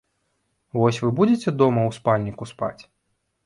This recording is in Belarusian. Вось вы будзеце дома ў спальніку спаць?